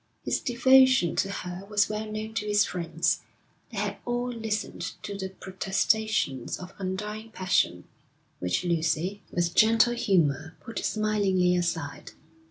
His devotion to her was well known to his friends. They had all listened to the protestations of undying passion, which Lucy, with gentle humour, put smilingly aside.